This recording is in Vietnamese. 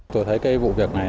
tôi thấy cái vụ việc này